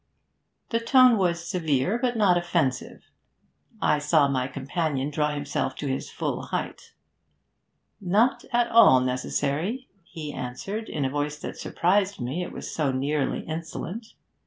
The tone was severe, but not offensive. I saw my companion draw himself to his full height. 'Not at all necessary,' he answered, in a voice that surprised me, it was so nearly insolent.